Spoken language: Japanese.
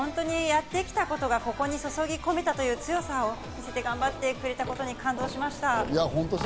やってきたことがここに注ぎ込めたという強さを見せて頑張ってくれたことに感動しました。